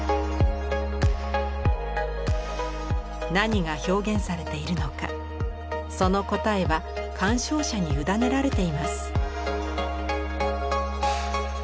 何が表現されているのかその答えは鑑賞者に委ねられています。